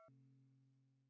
tidak ada yang bisa dipercaya